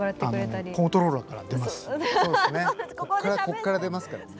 ここから出ますからね。